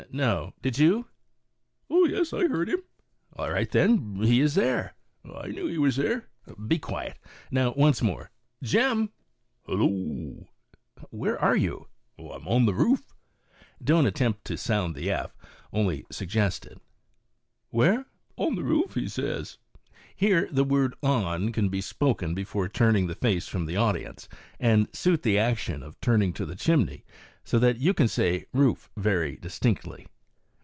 " No, did you?" Bill. "Yes, I heard him." Speaker. "All right then, he is there 1" Bill. " I knew he was there." Speaker. "Be quiet. Now, once more: Jem!" Jem. "Hillo!" Speaker. " Where are you ?" Jem. "On the roof." (Don't attempt to sound the /, only sug gest it.) . Speaker. "Where?" Jem. "On the roo " Bill. u On the roof, he says." Here the word"o?i" can be spoken before turning the face from the audience, and suit the action of turning to the chimney so that you can say "roo/" very distinctly.